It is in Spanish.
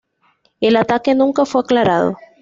El ataque nunca fue aclarado.